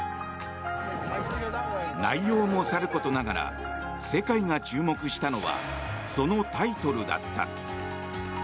内容もさることながら世界が注目したのはそのタイトルだった。